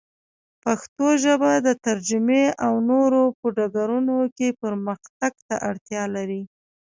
پښتو ژبه د ترجمې او نورو په ډګرونو کې پرمختګ ته اړتیا لري.